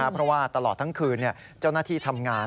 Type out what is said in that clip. เพราะว่าตลอดทั้งคืนเจ้าหน้าที่ทำงาน